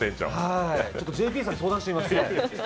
ＪＰさんに相談してみます。